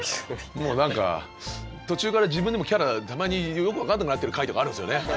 もう何か途中から自分でもキャラたまによく分かんなくなってる回とかあるんですよね。